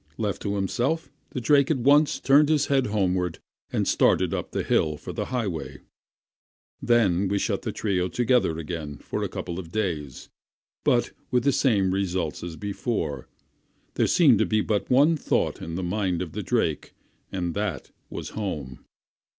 Left to himself, the drake at once turned his head homeward, and started up the hill for the highway. Then we shut the trio up together again for a couple of days, but with the same results as before. There seemed to be but one thought in the mind of the drake, and that was home.